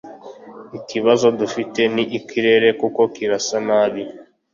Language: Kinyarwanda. Ikibazo dufite ni ikirere kuko kirasa nabi